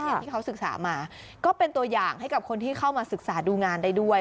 อย่างที่เขาศึกษามาก็เป็นตัวอย่างให้กับคนที่เข้ามาศึกษาดูงานได้ด้วย